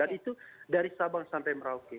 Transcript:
dan itu dari sabang sampai merauke